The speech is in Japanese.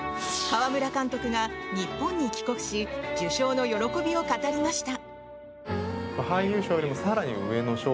川村監督が日本に帰国し受賞の喜びを語りました。